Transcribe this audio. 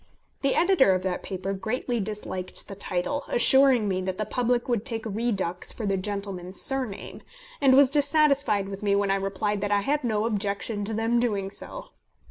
The editor of that paper greatly disliked the title, assuring me that the public would take Redux for the gentleman's surname, and was dissatisfied with me when I replied that I had no objection to them doing so.